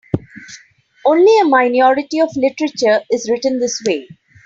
Only a minority of literature is written this way.